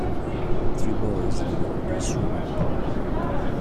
Three boys leaping into a swimming pool.